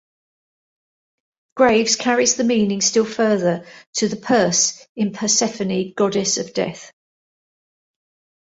Graves carries the meaning still further, to the "perse-" in Persephone, goddess of death.